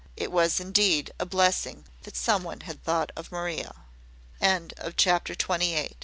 It was indeed a blessing that some one had thought of Maria. CHAPTER TWENTY NINE.